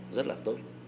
rất là tốt